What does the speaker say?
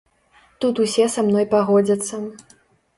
Тут усе са мной пагодзяцца.